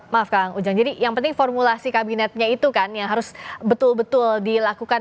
maaf kang ujang jadi yang penting formulasi kabinetnya itu kan yang harus betul betul dilakukan